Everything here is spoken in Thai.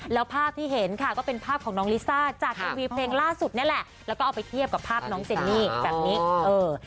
แล้วภาพที่เห็นค่ะก็เป็นภาพของน้องลิซ่าจากเอ็มวีเพลงล่าสุดนี่แหละแล้วก็เอาไปเทียบกับภาพน้องเจนนี่แบบนี้เออ